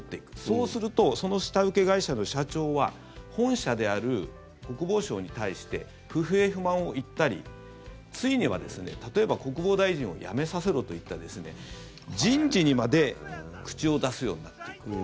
そうするとその下請け会社の社長は本社である国防省に対して不平不満を言ったりついには、例えば国防大臣を辞めさせろといった人事にまで口を出すようになっていく。